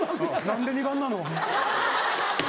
「何で２番なの？」。